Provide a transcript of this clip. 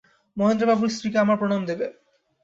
মহেন্দ্রবাবুর স্ত্রীকে আমার প্রণাম দিবে।